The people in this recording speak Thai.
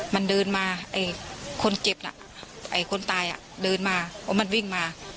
มันเดินมาไอ้คนเจ็บน่ะไอ้คนตายอ่ะเดินมาเพราะมันวิ่งมา